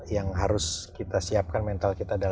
yang harus kita siapkan mental kita adalah